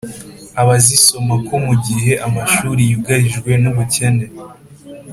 abazisoma ko mu gihe amashuri yugarijwe n ubukene